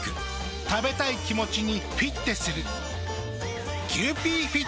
食べたい気持ちにフィッテする。